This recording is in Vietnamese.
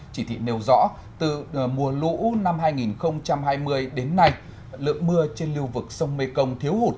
chỉ thị nêu rõ từ mùa lũ năm hai nghìn hai mươi đến nay lượng mưa trên lưu vực sông mê công thiếu hụt